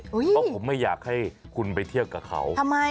เพราะผมไม่อยากให้คุณไปเที่ยวกับเขา